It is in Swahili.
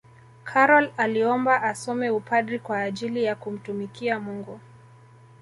karol aliomba asome upadri kwa ajili ya kumtumikia mungu